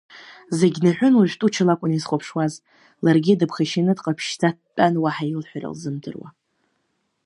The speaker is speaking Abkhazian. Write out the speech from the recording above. Зегьы наҳәын уажәы Туча лакәын изхәаԥшуаз, ларгьы дыԥхашьаны дҟаԥшьӡа дтәан уаҳа илҳәара лзымдыруа.